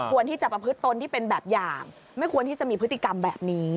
ที่จะประพฤติตนที่เป็นแบบอย่างไม่ควรที่จะมีพฤติกรรมแบบนี้